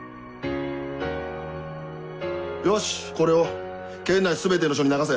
よしこれを県内全ての署に流せ。